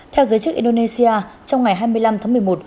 theo giới chức indonesia trong ngày hai mươi năm tháng một mươi một